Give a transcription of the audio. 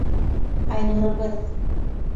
Айнурыбыҙ...